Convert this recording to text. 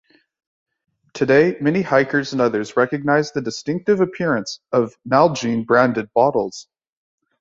Today, many hikers and others recognize the distinctive appearance of Nalgene-branded bottles.